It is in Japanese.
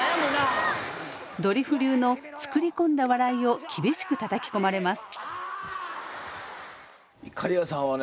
ドリフ流の作り込んだ笑いを厳しくたたき込まれます。